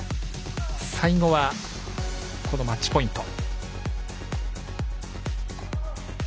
最後は、このマッチポイント。